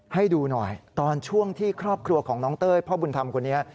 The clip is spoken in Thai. ให้ดูหน่อยตอนช่วงที่ครอบครัวของน้องเต้ยพ่อบุญธรรมคนนี้